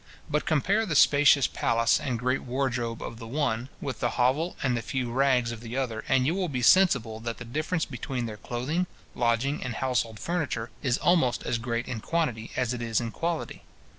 But compare the spacious palace and great wardrobe of the one, with the hovel and the few rags of the other, and you will be sensible that the difference between their clothing, lodging, and household furniture, is almost as great in quantity as it is in quality.